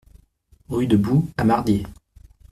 Rue de Bou à Mardié